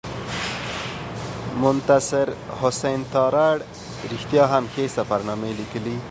مستنصر حسین تارړ رښتیا هم ښې سفرنامې لیکلي.